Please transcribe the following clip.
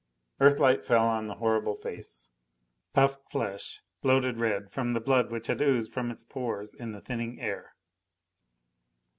Earthlight fell on the horrible face. Puffed flesh, bloated red from the blood which had oozed from its pores in the thinning air.